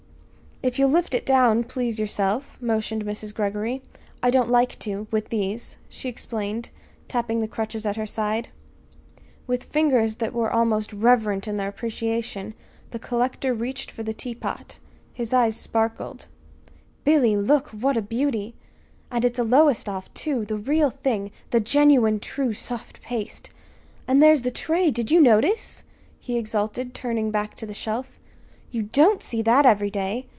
"If you'll lift it down, please, yourself," motioned Mrs. Greggory. "I don't like to with these," she explained, tapping the crutches at her side. With fingers that were almost reverent in their appreciation, the collector reached for the teapot. His eyes sparkled. "Billy, look, what a beauty! And it's a Lowestoft, too, the real thing the genuine, true soft paste! And there's the tray did you notice?" he exulted, turning back to the shelf. "You don't see that every day!